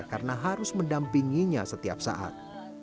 karena harus mendampinginya setiap saat